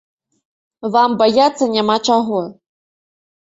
Вам баяцца няма чаго.